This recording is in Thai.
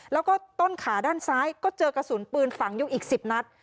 แล้วก็ต้นขาด้านซ้ายก็เจอกระสุนปืนฝังอยู่อีก๑๐นัด